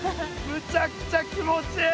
むちゃくちゃ気持ちいい！